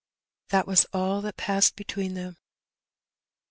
That was all that passed between them.